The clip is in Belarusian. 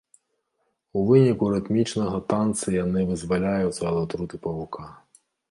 У выніку рытмічнага танцы яны вызваляюцца ад атруты павука.